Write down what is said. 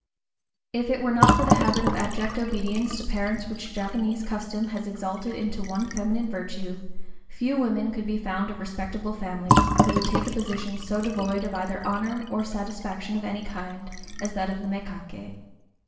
If it were not for the habit of abject obedience to parents which Japanese custom has exalted into the one feminine virtue, few women could be found of respectable families who would take a position so devoid of either honor or satisfaction of any kind as that of mékaké.